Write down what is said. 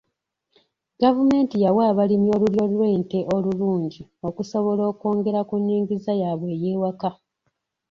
Gavumenti yawa abalimi olulyo lw'ente olulungi okusobola okwongera ku nnyingiza yaabwe ey'ewaka.